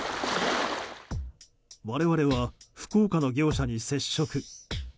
我々は、福岡の業者に接触。